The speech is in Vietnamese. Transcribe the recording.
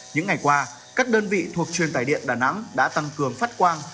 những ngày qua các đơn vị thuộc truyền tài điện đà nẵng đã tăng cường phát quang